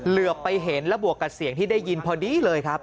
เหลือไปเห็นและบวกกับเสียงที่ได้ยินพอดีเลยครับ